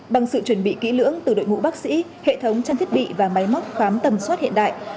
bằng sự chuẩn bị kỹ lưỡng từ đội ngũ bác sĩ hệ thống trang thiết bị và máy móc khám tầm soát hiện đại